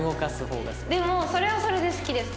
でもそれはそれで好きです。